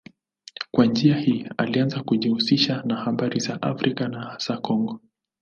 Kwa njia hii alianza kujihusisha na habari za Afrika na hasa Kongo.